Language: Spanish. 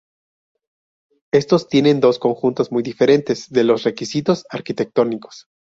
Estos tienen dos conjuntos muy diferentes de los requisitos arquitectónicos.